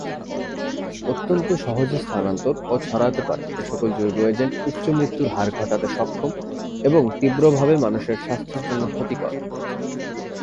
অত্যন্ত সহজে স্থানান্তর ও ছড়াতে পারে এসকল জৈব এজেন্ট উচ্চ মৃত্যুর হার ঘটাতে সক্ষম এবং তীব্রভাবে মানুষের স্বাস্থ্যের জন্য ক্ষতিকর।